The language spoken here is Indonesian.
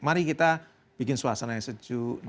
mari kita bikin suasana yang sejuk